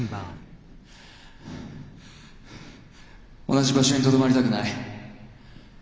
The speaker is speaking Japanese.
同じ場所にとどまりたくない。